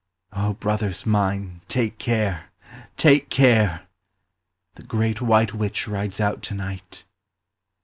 O, brothers mine, take care! Take care! The great white witch rides out to night.